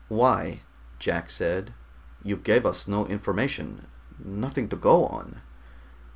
"Why?" Jack said. "You gave us no information, nothing to go on."